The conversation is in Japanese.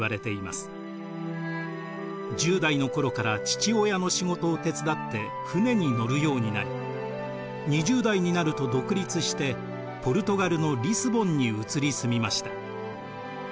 １０代の頃から父親の仕事を手伝って船に乗るようになり２０代になると独立してポルトガルのリスボンに移り住みました。